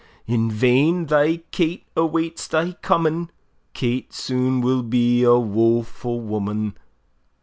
In vain thy Kate awaits thy coming! Kate soon will be a woefu' woman!